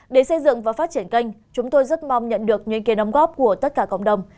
để xây dựng và phát triển kênh chúng tôi rất mong nhận được nguyên kỳ nắm góp của tất cả cộng đồng